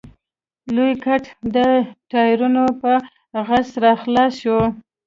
لوی ګټ د ټايرونو په غژس راخلاص شو.